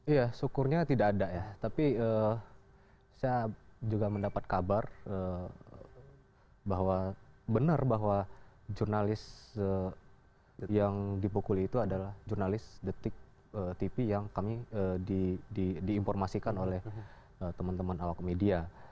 ya syukurnya tidak ada ya tapi saya juga mendapat kabar bahwa benar bahwa jurnalis yang dipukuli itu adalah jurnalis detik tv yang kami diinformasikan oleh teman teman awak media